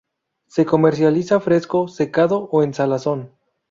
Se comercializa fresco, secado o en salazón.